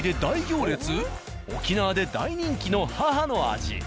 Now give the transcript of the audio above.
今沖縄で大人気の母の味。